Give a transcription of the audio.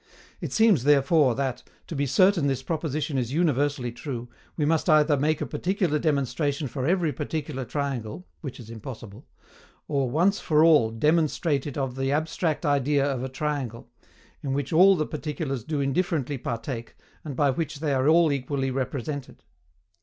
It seems therefore that, to be certain this proposition is universally true, we must either make a particular demonstration for every particular triangle, which is impossible, or once for all demonstrate it of the ABSTRACT IDEA OF A TRIANGLE, in which all the particulars do indifferently partake and by which they are all equally represented.